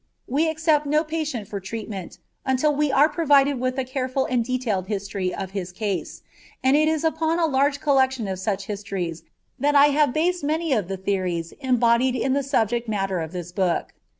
We accept no patient for treatment until we are provided with a careful and detailed history of his case, and it is upon a large collection of such histories that I have based many of the theories embodied in the subject matter of this book.